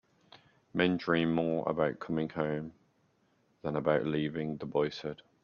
"Men dream more about coming home than about leaving," the boy said.